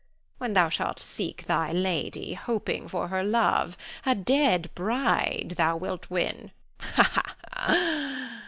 When thou shalt seek thy lady, hoping for her love, a dead bride thou wilt win. Ha! ha!